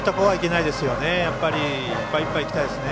いっぱい、いっぱいはいきたいですよね。